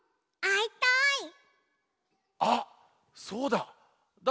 あっそうだ！